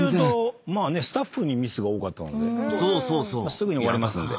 すぐに終わりますんで。